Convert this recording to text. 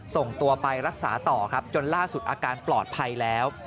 ส่งตัวไปรักษาต่อครับจนล่าสุดอาการปลอดภัยแล้ว